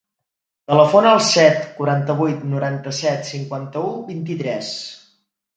Telefona al set, quaranta-vuit, noranta-set, cinquanta-u, vint-i-tres.